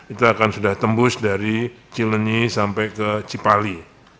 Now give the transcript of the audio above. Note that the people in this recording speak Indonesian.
itu akan sudah tembus dari cileni sampai ke cipali